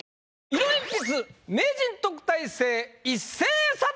「色鉛筆名人・特待生一斉査定」！